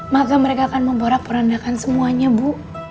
maka mereka akan memporak perandakan semuanya bu